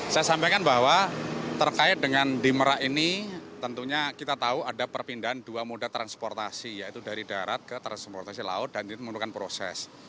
saya sampaikan bahwa terkait dengan di merak ini tentunya kita tahu ada perpindahan dua moda transportasi yaitu dari darat ke transportasi laut dan itu merupakan proses